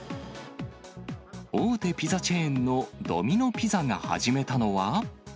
大手ピザチェーンのドミノ・ピザが始めたのは。